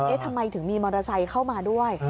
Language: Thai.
ทำไมถึงมีมอเตอร์ไซค์เข้ามาด้วย